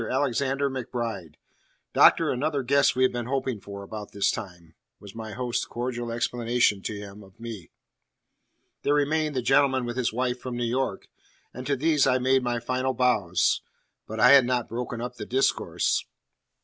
Alexander MacBride. Doctor, another guest we have been hoping for about this time," was my host's cordial explanation to him of me. There remained the gentleman with his wife from New York, and to these I made my final bows. But I had not broken up the discourse.